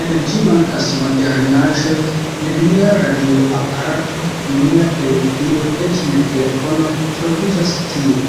En ĝi mankas modernaĵoj: nenia radioaparato, nenia televidilo, eĉ ne telefono troviĝas tie.